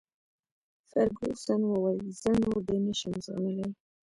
فرګوسن وویل: زه نور دی نه شم زغملای.